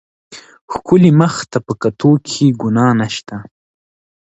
ښکلي مخ ته په کتو کښې ګناه نشته.